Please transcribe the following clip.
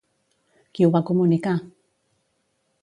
Qui ho va comunicar?